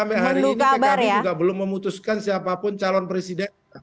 sebab sampai hari ini pki ini juga belum memutuskan siapapun calon presiden